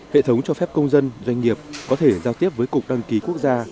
hệ thống cho phép công dân doanh nghiệp có thể giao tiếp với cục đăng ký quốc gia